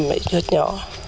mũi đốt nhỏ